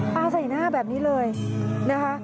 ปลาใส่หน้าแบบนี้เลยนะคะ